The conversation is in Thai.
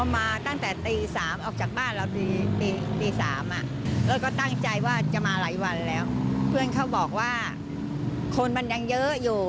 อ๋อมาตั้งแต่ตีสามออกจากบ้านเราตีสามอ่ะแล้วก็ตั้งใจว่าจะมาหลายวันแล้วเพื่อนเขาบอกว่าคนมันยังเยอะอยู่